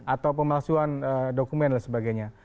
atau pemalsuan dokumen dan sebagainya